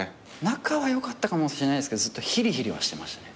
仲は良かったかもしれないけどずっとヒリヒリはしてましたね。